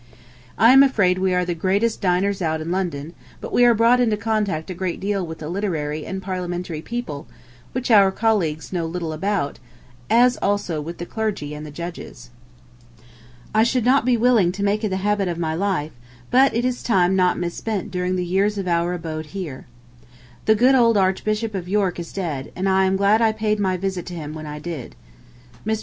I am afraid we are the greatest diners out in London, but we are brought into contact a great deal with the literary and Parliamentary people, which our colleagues know little about, as also with the clergy and the judges. I should not be willing to make it the habit of my life, but it is time not misspent during the years of our abode here. ... The good old Archbishop of York is dead, and I am glad I paid my visit to him when I did. Mr.